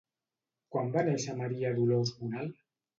Quan va néixer Maria Dolors Bonal?